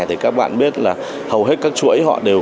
thì các bạn biết là hầu hết các chuỗi họ đều